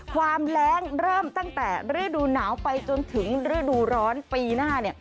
แรงเริ่มตั้งแต่ฤดูหนาวไปจนถึงฤดูร้อนปีหน้า